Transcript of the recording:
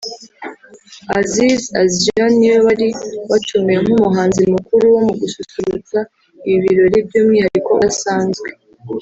Aziz Azion ni we wari watumiwe nk’umuhanzi mukuru wo gususurutsa ibi birori by’umwihariko udasanzwe